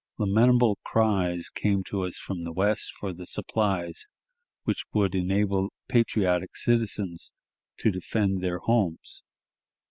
Lamentable cries came to us from the West for the supplies which would enable patriotic citizens to defend their homes.